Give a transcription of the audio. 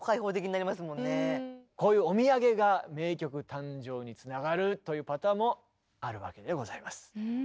こういうお土産が名曲誕生につながるというパターンもあるわけでございます。